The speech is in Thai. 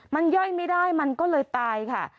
มันย่อยไม่ได้มันก็เลยตายค่ะ